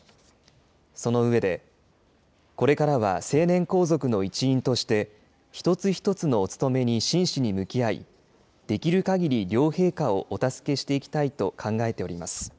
その上で、これからは成年皇族の一員として、一つ一つのお務めに真摯に向き合い、できるかぎり両陛下をお助けしていきたいと考えております。